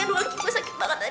aduh aduh gue sakit banget aduh